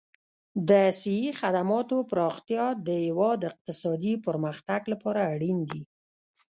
د صحي خدماتو پراختیا د هېواد اقتصادي پرمختګ لپاره اړین دي.